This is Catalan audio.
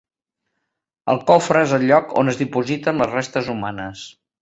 El cofre és el lloc on es dipositen les restes humanes.